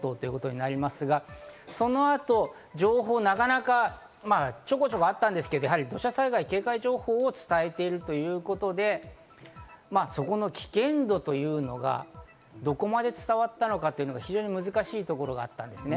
そのあと情報がちょこちょこあったんですが、土砂災害警戒情報を伝えているということで、そこの危険度というのがどこまで伝わったのか非常に難しいところがあったんですね。